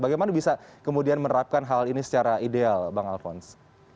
bagaimana bisa kemudian menerapkan hal ini secara ideal bang alphonse